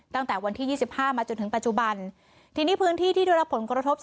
ตั้งแต่วันที่ยี่สิบห้ามาจนถึงปัจจุบันทีนี้พื้นที่ที่ได้รับผลกระทบ